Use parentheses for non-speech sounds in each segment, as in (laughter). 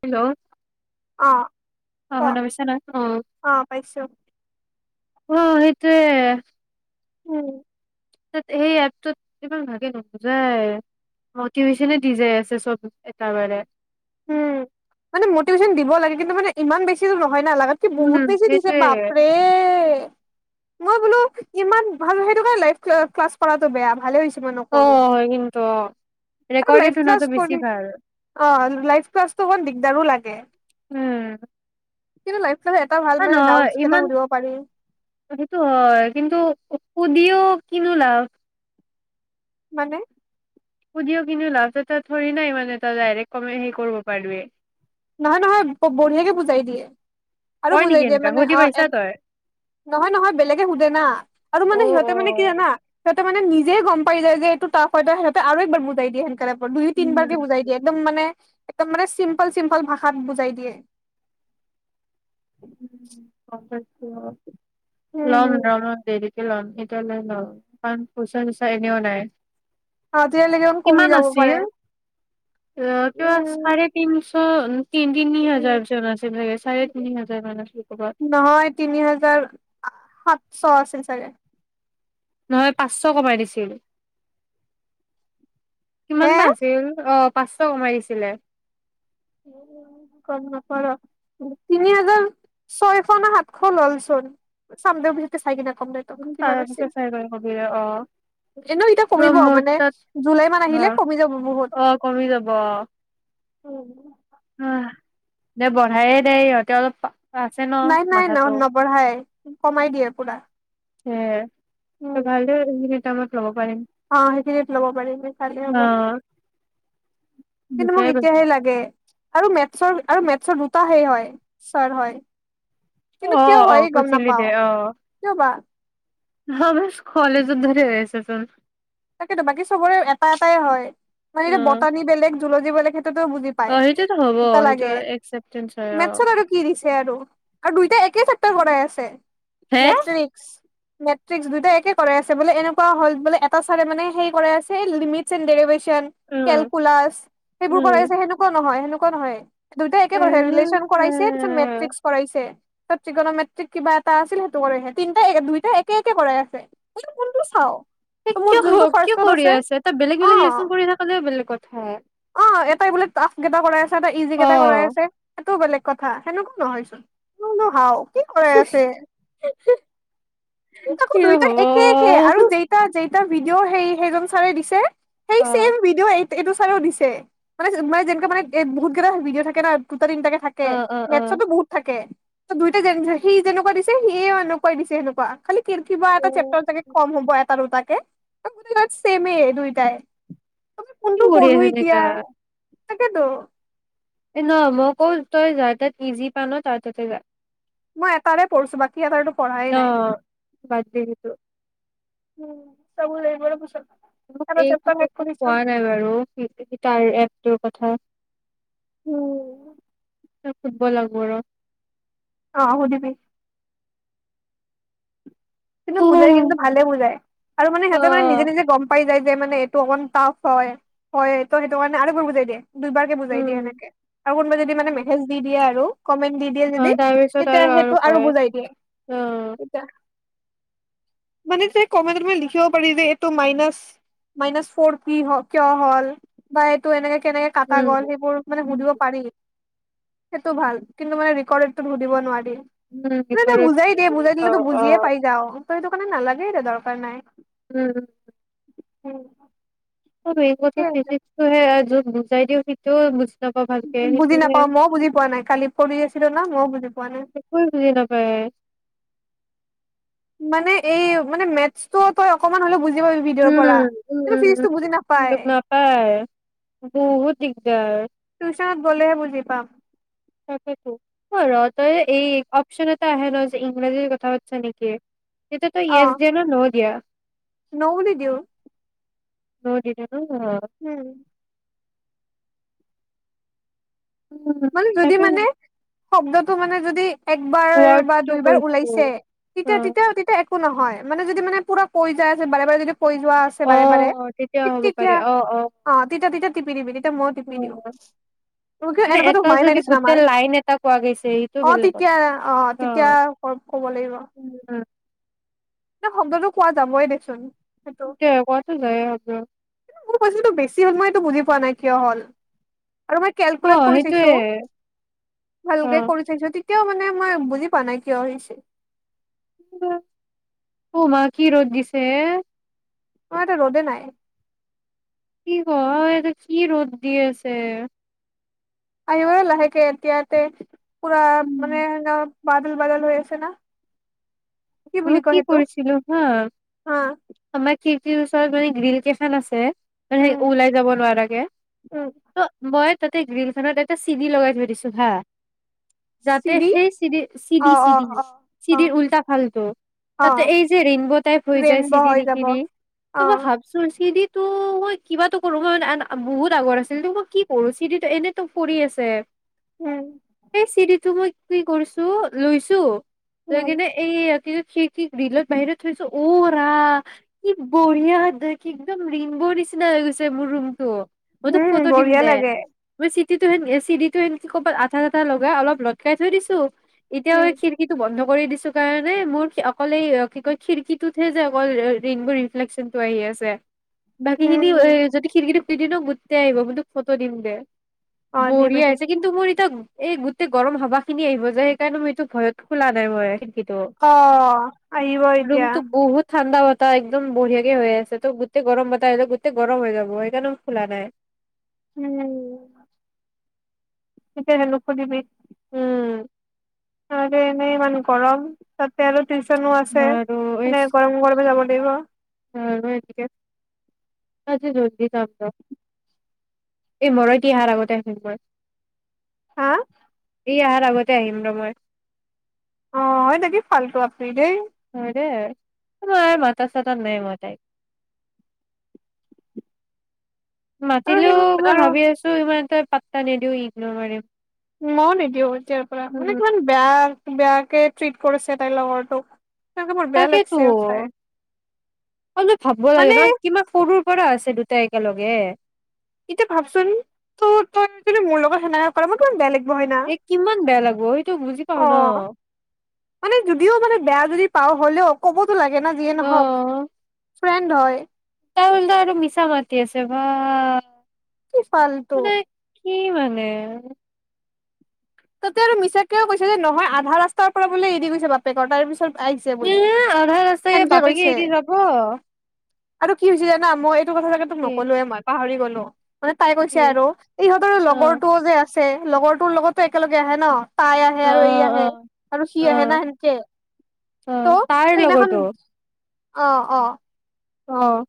Hello, অ', ক শুনা পাইছা না অ ', অ ', পাইছোঁ। অ, সেইটোয়ে উম, ত', সেই এপটোত ইমান ভাগে নুবুজায় মটিভেশনে দি যাই আছে চব একে বাৰে। উম, মানে মটিভেশ্যন দিব লাগে কিন্তু মানে ইমান বেছিও নহয়। হয় না, লাগাত কে বহুত উম বেছি দিছে সেইটোয়ে বাপৰে। মই বোলো ইমান ভাল সেইটো কাৰণে লাইভ ক্লাছ কৰাতটো বেয়া ভালে হৈছে। মই নকৰো। অ', কিন্তু অ', আৰু লাইভ ৰেকৰ্ডেড ক্লাছ শুনাতটো কৰি বেছি ভাল। অ', লাইভ ক্লাছটো হল দিগদাৰো লাগে। কিনটো লাইভ, ক্লাছত এটা ভাল অহ, মানে নহয় ডাউটচ কেইটা ইমান সুধিব পাৰি সেইটো হয় কিন্তু, দিওঁ কিনো লাভ? মানে? সুধিও কিনো লাভ তাতে থৰিনা ইমান এটা ডাইৰেক্ট কমে হেৰি কৰিব পাৰিবি? নহয় -নহয় বঢ়িয়াকে বুজাই দিয়ে। আৰু কয় বুজাই নেকি দিয়ে এনেকা মানে সুধি অ পাইছা তই ', নহয়- নহয় বেলেগে সোধে না আৰু অ মানে অ সিহঁতে মানে কি জানা, সিহঁ তাৰ মানে নিজে গম পাই যায় যে এইটো তাৰহৈতে সিহঁতে আৰু একবাৰ বুজাই দিয়ে সেইটোকাৰণে, দুই- তিন বাৰ কে উম বুজাই দিয়ে একদম মানে, একদম মানে চিম্পল - চিম্পল, সৰল ভাষাত বুজাই দিয়ে। (unintelligible) কিহত লম লম অলপ দেৰি, - লম এতিয়া নাই ন কাৰন পইচা বিচাৰিলেও নাই। অ', তেতিয়লে একদম কমি কিমান যাব পাৰে। আছিল অ', কা চাৰেতিনচ (unintelligible) তিন-তিনি হাজাৰ (unintelligible) চাৰে তিনি হাজা নহয়, তিনি হাজাৰ সাতচ আছিল চাগে। নহয়, পাঁচশ কমাই দিছিল। হে কিমান বা আছিল অ' পাঁচশ কমাই দিছিলে। নকৰ তিনি হাজাৰ, ছয়শ নে সাতশ ললচোন চাম দেবি হঁতে চাই কিনা তাৰ কিমান আছিল। পিছত চাই কৰি কবি দে অ এনেও এতিয়া কিবা কমিব মোৰ মানে তাত জুলাই মান অ আহিলে কমি যাব বহুত। অ কমি যাব (unintelligible) অ', দে বঢ়াইয়ে দে ইহঁতে অলপ আছে ন নাই, নাই, মাথাটো নাই নবঢ়াই কমাই দিয়ে পুৰা। (unintelligible) (unintelligible) অ', সেইখিনত ল'ব পাৰিম চালে অ হ'ব, কিন্তু দুটাই মোক বাজিল এতিয়াই লাগে। আৰু মেটচৰ আৰু মেটচৰ দুটা হেই হয়, ছাৰ হয়। কিন্তু কিয় অ', হয় অ', গম কৈচিলি নাপাও দে অ'। কিয় বা হ কলেজত ধৰে (unintelligible) তাকেতো বাকী চবৰে এটা, এটাই হয়, মানে অ', বটানি বেলেগ যুলজী (unintelligible) বুজি পায় অ', সেইটোতো হ'ব দুটা সেইটো লাগে, একচেপ্টেঞ্চ হয় অ', মেটচত আৰু কি দিছে আৰু দুইটা একে কৰাই আছে হে? নেটফ্লিক্স মেট্ৰিক দুইটাই একে কৰা আ বোলে এনেকুৱা হ'ল বোলে এ মে কৰা আছে লিমিটছ এণ্ড ডেৰিভেচন। উম, সেইবোৰ উম। কৰা সেনেকুৱা নহয়। ন' দুইটাই একে কৰা ৰিলেচন কৰাইছে তত মেট্ৰিক কৰাইছে ত্ৰিক মেট্ৰিক কিবা এটা আছিল সেইটো কৰাই তিন দুইাই একে একে কৰাই আছে কোনটো চাওঁ। এ কিয় হয়, কিয় কৰি আছে এটা বেলেগ অ বেলেগ লেচন কৰি থাকলেও বেলেগ কথা। বুলি তে বোলে টাফ কেইটা কৰাই আছ এটা ইজি কেইটা কৰাই অ'। আছে সেইটো বেলেগ। কথা সেনেকুৱাওঁ নহয় চোনহাওঁ। হ (unintelligible) তাকো দুইটা একে একে আৰু যেইেই এটা ভিডিঅ' হে সেইজন ছাৰে দিছে সেই অ'। চেম ভিডিঅ এইটো চাইও দিছে। মানে, মানে যেনেকুৱা মানে এই বহুত কেইটা ভিডিঅ' থাকে নহয়- দুটা-তিটাকে থাকে, অ', অ', অ', মেথছতো বহুত থাকে। ত দুইটাই যেন সি যেনেকুৱা দিছে সিও এনেকুৱাই দিছে সেনেকুৱা। খালি কিৰ কিবা এটা চেপ্টাৰ চাগে কম হ'ব এটা দুটা- কে, অ গতেইবিলাক চেইমে দুইটাই। আমি কি কোনটো কৰি পঢ়ো আছে এনেকা। এতিয়া। তাকেটো। এ ন, মই কওঁ, তই যাৰ তাত ইজি পা ন, তাৰ তাতে যা। মই এটাৰে পঢ়ছো বাক- অহ, বাজি (unintelligible) উম, চাব লাগিব ৰহ পিছত। মোক এটা এইটো চেপ্টাৰ শেষ কথা কৰি চাম কোৱা নাই বাৰু, (unintelligible) তাৰ এপটোৰ কথা। উম। তাক শুধব লাগব ৰহ। অহ শুধিবি। কিন্তু অ বুজাই কিন্তু ভালে বুজাই। আৰু মানে সিহঁতে মানে নিজে নিজে গম পাই যায়- যে মানে এইটো অকমান টাফ হয়। হয় ত' সেইটো কাৰণে আৰু একবাৰ বুজাই দিয়ে। দুইবাৰকে বুজাই দিয়ে উম এনেকে। আৰু কোনোবাই যদি মানে মেছেজ দি দিয়ে আ- হেল্ল কমেন্ট দি দিয়ে অ যদি, তাৰপিছত তেতিয়া আৰু সেইটো আৰু কয় বুজাই দিয়ে। অ তেতিয়া মানে যে কমেন্ট মানে লিখিব পাৰি যে এইটো মাইনাছ, মাইনাছ ফোৰ পি হ কিয় হ'ল, বা এইটো এনেকে- কেনেকে কাটা গ'ল। উম সেইবোৰ মানে সুধিব উম পাৰি। সেইটো ভাল। কিন্তু মানে ৰেকৰ্ডেডটো সুধিব নোৱাৰি। নাই তাই বিপৰত বুজাই দিয়ে, বুজাই দিল অ তো অ বুজিয়ে- পাই যাওঁ। ত সেইটো কাৰণে নালাগে ত, দৰকাৰ নাই। উম উম। তাকে (unintelligible) জি (unintelligible) বুজাই দিওঁ সেইটো বুজি- নাপাওঁ ভালকে বুজি সেইটোহে নাপাওঁ মইও বুজি পোৱা নাই। কালি পৰি আছিলোঁ ন, মইও বুজি পোৱা নাই। একোৱে বুজি নাপায় মানে এই মানে মেথছটো তোই অকনমান হ'লেও বুজি- পাবি ভিডিঅ'ৰ উম, পৰা উম, কিন্তু উম, ফিজিক্সটো বুজি উম, নাপায় নাপায়, বহুত দিগদাৰ। টিউচনত গ'লেহে বুজি পাম তাকেটো, ও ৰ' দে এই অপশ্যন এটা আহে ন যে, ইংৰাজী কথা পাতিছা নেকি? এইটো তোই য়েচ দিয়ানে নো দিয়া? নহ'ল দি দিওঁ। ন' দি দে। অ'। উম মান যদি তাকে মানে শব্দটো মানে যদি একবাৰ বা ৱৰ্ডটো দুইবাৰ কৈছো ওলাইছে অ তেতিয়া তেতিয়াওঁ তেতিয়া নহয় মানে যদি মানে পুৰা পই যায় আছে বাৰে, বাৰে যদি পয়ি যোৱা আছে অ বাৰে, বাৰে তেতিয়া হ'ব তী-তিতিয়া পাৰে অ অ', তিতিয়া, তিতিয়া টিপি দিবি তেতিয়া ময়ো টিপি দিওঁ অ', মানে (unintelligible) এটা যদি আমাৰ গোটেই লাইন এটা কোৱা গৈছে এইটো অ বেলেগ তেতিয়া কথা তেতিয়া অ', ক'ব লাগিব উম শব্দটো কোৱা যাবই দেচোন। সেইটো (unintelligible) মোৰ পইচাটো বেছি হ'ল, মই এইটো বুজি পোৱা নাই কিয় হ'ল? আৰু মই অ কেলকুলেট কৰি সেইটোয়ে চাইছো, অ ভালকে কৰি চাইছো তি এতিয়াও মানে মই বুজি পোৱা নাই কিয় হৈছে? উমা কি ৰ'দ দিছে। মাৰ টা ৰ'দে নাই। কি ক এট কি ৰ'দ দি আছে। আহিব লাহেকে এতিয়া ইয়াতে পুৰা উম মানে বাদল, বাদল হৈ আছে না। বুলি মই কয় কি সেইটো কৰিছিলো হা হা আমাক খিৰকিৰ ওচৰত মানে গ্ৰীল কেইখন আছে। উম ওলাই যাব নোৱাৰাকে উম ত' মই তাতে গ্ৰীলখানত এটা চিৰি লগাই থৈ দিছো হা যাতে চিৰি সেই চিদি, অ চিদি, অ চিদি, অ অ চিদিৰ উল্টা ফাল অ তাতে এই যে, ৰেনব টাইপ হৈ যায় ৰেইনব হৈ চিৰিৰি যাব খিনি ত' অ মই ভাবচো চিৰিটো মই কিবাটো কৰো মই বহুত আগৰ আছিল মই কি কৰো, চিৰিটো এনেতো পৰি আছে উম এই চিৰিতো মই কি কৰিছো, লৈছো তই উম কিন্তু এই কিন্তু সি কি গ্ৰীলৰ বাহিৰত থৈছো অ', ৰা কি বঢ়িয়া দেখি একদম ৰেনবৰ নিচিনা হৈ গৈছে মোৰ ৰুমটো। উম, বঢ়িয়া লাগে। চিৰিটো সেন চিৰিটো সেনকে ক'ৰবাত আঠা চাঠা লগাই অলপ লতকাই থৈ দিছো এতিয়া উম হয় ষিৰিকীটো বন্ধ কৰি দিছো কাৰণ নে মোৰ অকলে এই কি কয় খিৰিকীটোতহে যে অকল ৰিংবোৰ ৰিফ্লেকচনটো আহি আছে বাকী খিনি উম এ যদি খিৰিকিৰি সদিনো গোটেই আহিব কিন্তুোক ফটো দিম দে অ দিবি বঢ়ীয়া আছে দিবি কিন্তু মোৰ এতি (unintelligible) এই গোটেই গৰম হাবা খিনি আহিব যে সেইকাৰণে মই এইটো ভয়ত খোলা নাই মই খিৰীকীটো অ আহিব এতিয়া বহুত ঠাণ্ডা বতাহ একদম বঢ়িয়াকে হৈ আছে তো গোটেই গৰম বতাহ আহিল গোটেই গৰম হৈ যাব সেইকাৰণে খোলা নাই উম তেকীয়া (unintelligible) হল ক দিবি উম ত এনেই ইমান গৰম তাতে আৰু টেনচনো আছে বাৰু মানে গৰম গৰমে যাব দিব অ এনেকে আজি জল্দি যাম দ এই মৰ তিহাৰ আগতে আহম মই হা স অহাৰ আগতে আহিম ৰ মই অ দাকি ফাল্টু আপই দেই হয় দে মই মথা চাথা নাই মই তাইক আৰু সেই মাতিলেও মই আৰু ভাবি আছো ইমান এটা প্তানেদও ইগ্ ন'োৰ মিম (unintelligible) ময় নিদিওঁ এতিয়াৰ পৰা মানে কিমান বেয়া বেয়াকে ট্ৰিট কৰিছে তাইৰ লগৰটোক তেনেকে মোৰ বেয়া তাকেতো লাগিছে সঁচাই অো ভাবিব লাগে মানে ন কিমা সৰুৰ পৰা আছে দুটা একেলগে এতিয়া ভাবচোন ত তই যদি মোৰ লগত সেনেকা সে কৰা মই কিমান বেলেগ বনা এ কিমান বেয়া লাগিব সেইটো বুজি পাও অ ন মানে যদিও মানে বেয়া যদি পাওঁ হলেও ক'ব ো (unintelligible) লাগে না যিয়ে অ নহওক ফ্ৰেণ্ড হয় ত হোললে আৰু মিছা মাতি আছে বা কি ফালটু মানে কি মানে তাতে আৰু মিছাকেও কৈছে যে নহয় আধা ৰাস্তাৰ পৰা বোলে এৰি গৈছে বাপেকৰ তাৰ পিছত আহিছে বোলে উম আধা ৰাস্তাই সেনকে বাপেকে কৈছে এৰি যাব আৰু কি হৈছে জানা মই কথা জাগে তোক কি নকললোৱে মই পাহৰি গ'লো অ মানে তাই কি কৈছে আৰু ইহঁতৰ অ লগৰটোও যে আছে লগৰ তৰ লগত একেলগে আহে ন তাই আহে অ আৰু এই অ আহে আৰু সি আহে না অ সেনেকে অ ত' তাৰ সেইদিনাখন লগৰতো অ অ অ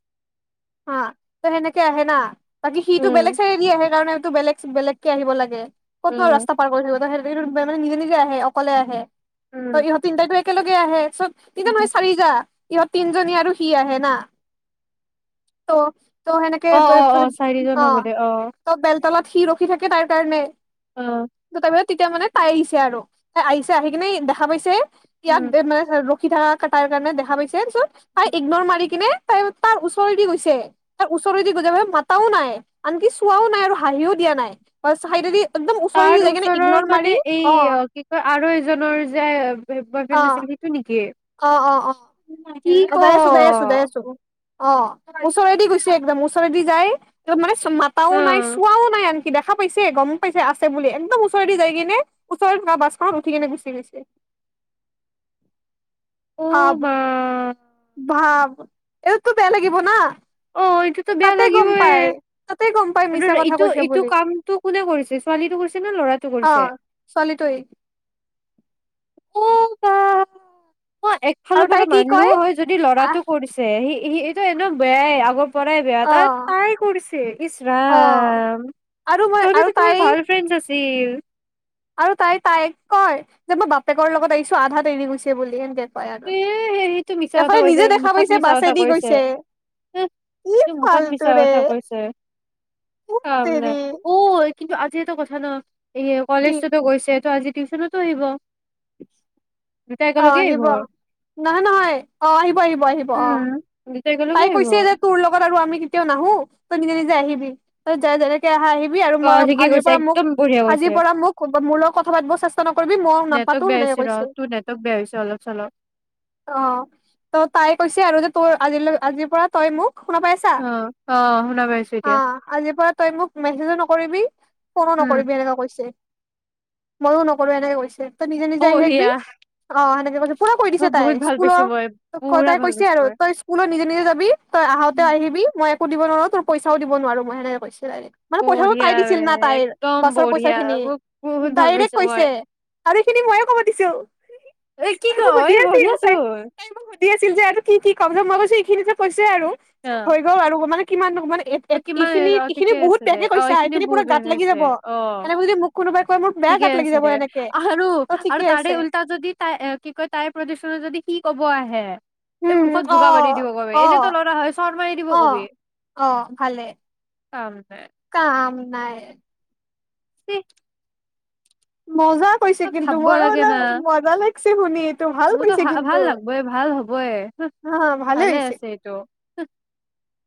হা সেনেকে আহে না বাকী সিটো উম বেলেগ চাইডদি আহে কাৰণে এইটো বেলেগ বেলেগকে আহিব লাগে ক'তব উম ৰাস্ত পাৰ কৰিছিল মানে নিজে নিজে আহে অকলে আহে অ উম ইহঁত তিনটা ইটো এক একেলগে আহে চব তিনিটা উম নহয় চাৰিতা ইহঁত তিনজনী আৰু সি আহে না অ ত সেনেকে অ অ অ চাৰিজন হ'বলে অ তলত সি ৰখি থাকে তাৰ কাৰণে অ দোকানত তেতিয়া মানে তাই আহিছে আৰু তাই আহিছে আহি কিনে দেখা পাইছে, উম (unintelligible) পিঠা কাটাৰ কাৰণে দেখা পাইছে দেন চ'ৰ তাই উম ইগ্ন মাৰি কিনে তাৰ ওচৰেদি গৈছে তাৰ ওচৰেদি গৈছে মাতাও নাই আনকি চোৱাও নাই আৰু হাঁহিও দিয়া নাই চাইডেদি একদম ওচৰেদি তাৰ যাই কিনে ওচৰৰ ইগনৰ মাৰি মানে এই অ কি কয় আৰু এজনৰ যে অ বয়ফ্ৰেণ্ড আছিল সেইটো নেকি অ অ অ কি অ ক? যাই আছো যাই আছো যাই আছো অ ওচৰেদি গৈছে একদম ওচৰেদি যায় তা মানে মাতাও হা নাই চোৱাও নাই আন কি দেখা পাইছে গম পাইছে আছে বুলি একদম ওচৰদি যাই কিনে ওচৰ বাছখনত উঠি কেনে গুচি গৈছে। অ আব মা ভাব এইতো বেয়া লাগিব ন অ এইটোতো বেয়া লাগিবয়ে তাতে গম পাই মিছা কথা ইটো কৈছে ইটো বুলি কামটো কোনে কৰিছে ছোৱালীটো কৰিছে নে ল'ৰাটো অ কৰিছে ছোৱালীটোৱে অ বা অ আৰু একফালৰ তাই পৰা কি কয় মানিলোও হয় যদি আহ ল'ৰাটো কৰিছে সি সি টো এনেক বেয়াই আগৰ পৰাই বেয়া অ ত তাই কৰিছে অ ইচৰাম আৰু মই আৰু তহতিটো কিমান তাই ভাল ফ্ৰেচ আছে তিন আৰু তাই তাই কয় যে মই বাপেকৰ লগত আহিছো আধাত এৰি গৈছে বুলি সেনকে এ সেইটো মিছা কথা কৈছে দেখা মুখত পাইছে মিছা কথা বাছেদি কৰিছে গৈছে কি সটো মুখত মিছা ফাল্টুৰে কথা ধেৎ কৈছে কাম তেৰি নাই অ কিন্তু আজি এটাো কথা ন এ কি কলেজতো গৈছে তটো আজি টিউশনতো আহিব দু তাই একগে আহিব নহয় নহয় অ আহিব আহিব আহিব আহ উম দুটা একেলগে তাই আহিব কৈছে যে তোৰ লগত আৰু আমি কেতিয়াও নাহো তই নিজে নিজে য আহিবি ত য যৰেক আহ আহিবি আৰু অ ঠিকে মইজ কৈছে পৰা মোক একদম বঢ়িয়া কৈছে আজিৰ পৰা মোক মোৰ লগত কথা পাতিব চেষ্টা নকৰিবি মই নেটৱৰ্ক নাপাতো বেয়া সেনেকে হৈছে ৰ কৈছে তোৰ নেটৱৰ্ক বেয়া হৈছে অলপ চলপ অ ত তাই কৈছে আৰু যদি (unintelligible) আজিৰ পৰা তই মোক শুনা পাইছা অ অ শুনা পাইছো অ এতিয়া আজিৰ পৰা তই মোক মেছেজো নকৰিবি ফোনো উম নকৰিবি এনেকুৱা কৈছে মইও নকৰো এনেকে কৈছে তই নিজে নিজে আহি থাকিবি বঢ়িয়া অ সেনেকে কৈছ পুৰা কৰিৈ মই দিছে তাই বহুত ভাল পাইছো স্কুলৰ মই ত পুৰা তাই ভাল কৈছে পাইছো আৰু মই তই স্কুলৰ নিজে কুনে যাবি তই আহোতে উম। আহিবি মই দিব নোৱাৰো তই পইচওিব নোৱাৰ মইেনেকৈছো মানে পইচাো তাই বঢ়িয়া বে দিছিল না তাইৰ একদম বাছৰ পইচা বঢ়িয়া খিনি মোক বহুত ভাল ডাইৰেক্ট পাইছো মই কৈছে আালি খিনি ময়ো কব দিছো এ কি তাই ক মোক সুধি এই বঢ়ি আছিল আছো তাই তাই মোক সুধি আছিল যে কি ক মাব (unintelligible) আৰু হৈ গ'ল আৰু মানে কিমান মানে ত কিমান এইখিনি অ এইখিনি ঠিকে বহুত আছে দে বেয়াকে অ কৈছা এইখিনিয়ে এইখিনি বহু পুৰা গাত বেয়া লাগি হৈছে যাব অ এনেকে যদি মোক কোনোবাই কয় মোৰ বেয়া ঠিকে গাত লাগি আছে যাব দে এনেকে আৰু অ আৰু ঠিকে তাৰে আছে উল্টা যদি তাই কি কয় তাই প্ৰদূষণত যদি সি কব আহে হে এই উম মুখত অ ভোগা মতি দিব কবি অ এনেতো লৰা হয় চৰ মাৰি দিব অ কবি অ ভালে কাম নাই ক নাই উ মজা কৈছে কিন্তু মোৰ লাগে মানলে না মজা লাগ ছে শুনি ভাল মোৰতো কৈছে ভ কিন্তু ভাল লাগবই ভাল হবয় হা ভালে হৈছে আছে এইটো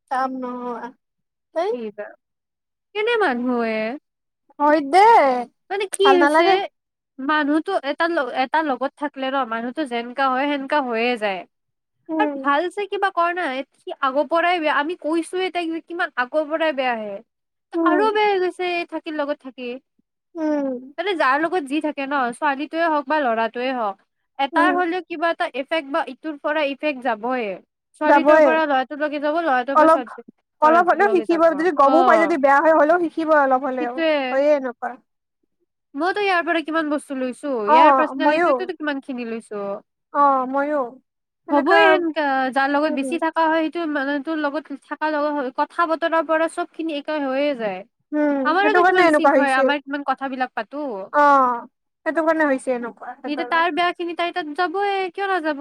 কাম নোহোৱা এই সেইত কেনে মানুহে হয় দে মানে কি ভাল হৈছে নালাগে মানুহতো এটা এটা লগত থাকিলে ৰ মানুহতো যেনেকা হয় সেনেকা হৈয়ে যায়। আৰু উম ভালছে কিবা ক নাই সি আগৰ পৰাই বেয়া আমি কৈছোয়ে তাইক যে কিমান আগৰ পৰাই বেয়াাহে উম আৰু বেয়া হৈ গৈছে থাক। লগত থাকি উম। ত যি থাকে ন ছোৱালীটোৱে হওক বা ল'ৰাটোৱে হওক এটাৰ উম হ'লেও কিবা ইফেক্ট বা ইটোৰ পৰা ইফেক্ট যাবয়ে। ছোৱালীটোৰ যাবয় পৰা ল'ৰাটোলৈকে যাব ল'ৰাটোৰ পৰা অলপ ছোৱালী অলপ হ'লেও ল'ৰাটোলৈকে শিকিব যাব যদি অ গমো পাই যদি বেয়া হয় হ'লেও শিকিব অলপ হ'লেও সেইটোয়ে হয়য়ে এনেকুৱা। মইতো ইয়াৰ পৰা কিমান বস্তো লৈছো অ ইয়াৰ ময়ো পাৰ্চিনেলেটিটো কিমান খিনি লৈছো অ ময়ো তো সেনেকা হ'বই হেনকা যাৰ লগত উম বেছি থকা হয়। ত মানে তোৰ লগত থাকা লগত কথা বতৰাৰ পৰা চব খিনি একে হৈ আ উম সেইটো কাৰনে এনেকা হৈছে। আমাৰ কিমান কথাবিলাক পাতো অ সেইটো কাৰণে হৈছে এনেকুৱা এতিয়া হেতৰ তাৰ বেয়া খিনি তাই তাত যাবয়ে কিয় নাযাব।